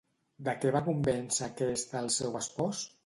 De què va convèncer aquesta al seu espòs?